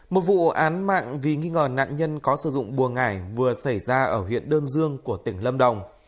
một vụ án mạng vì nghi ngờ nạn nhân có sử dụng bùa ngải vừa xảy ra ở huyện đơn dương của tỉnh lâm đồng